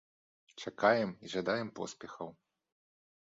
Чакаем і жадаем поспехаў!